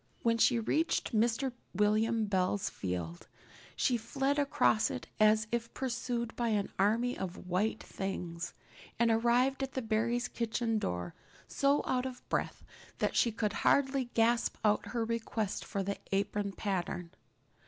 When she reached Mr. William Bell's field she fled across it as if pursued by an army of white things, and arrived at the Barry kitchen door so out of breath that she could hardly gasp out her request for the apron pattern.